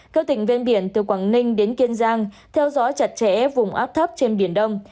các tỉnh ven biển từ quảng ninh đến kiên giang theo dõi chặt chẽ vùng áp thấp trên biển đông